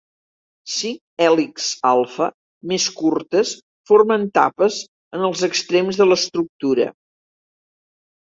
Cinc hèlixs alfa més curtes formen tapes en els extrems de l'estructura.